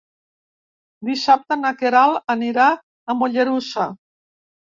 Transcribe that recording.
Dissabte na Queralt anirà a Mollerussa.